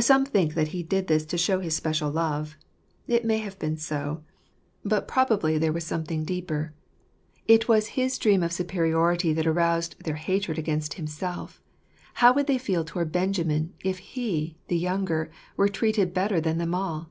Some think that he did this to show his special love. It may have been so ; but probably there was something H 1 14 Jtoflepfr making him&df biurfim. deeper. It was his dream of superiority that aroused their hatred against himself : how would they feel toward Benjamin, if he, the, younger, were treated better than them all